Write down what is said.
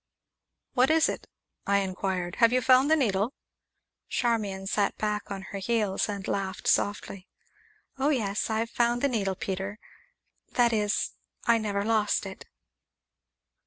"What is it?" I inquired. "Have you found the needle?" Charmian sat back on her heels, and laughed softly. "Oh, yes, I've found the needle, Peter, that is I never lost it."